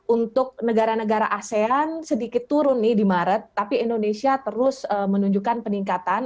untuk negara negara asean sedikit turun nih di maret tapi indonesia terus menunjukkan peningkatan